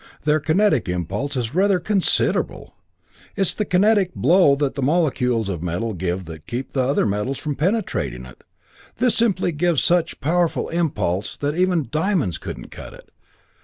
Their kinetic impulse is rather considerable! It's the kinetic blow that the molecules of a metal give that keeps other metal from penetrating it. This simply gives such powerful impulse that even diamonds wouldn't cut it.